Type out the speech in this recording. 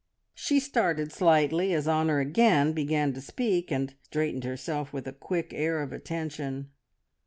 She started slightly as Honor again began to speak, and straightened herself with a quick air of attention.